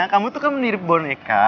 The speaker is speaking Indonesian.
kamu tuh kan mirip boneka